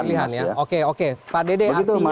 pilihan ya oke oke pak dede artinya